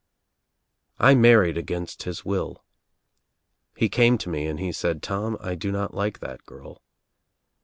"I married against his will. He came to me and he said, 'Tom I do not like that girl.'